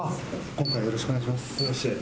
今回はよろしくお願いします。